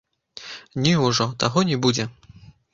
Не ўжо, таго не будзе.